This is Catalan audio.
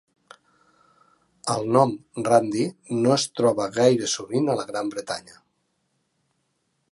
El nom Randy no es troba gaire sovint a la Gran Bretanya.